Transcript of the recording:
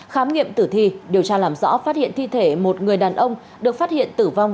khám nghiệm tử thi điều tra làm rõ phát hiện thi thể một người đàn ông được phát hiện tử vong